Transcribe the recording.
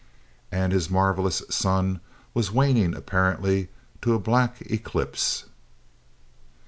And his marvelous sun was waning apparently to a black eclipse.